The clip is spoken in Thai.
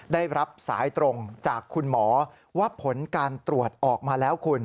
ได้รับสายตรงจากคุณหมอว่าผลการตรวจออกมาแล้วคุณ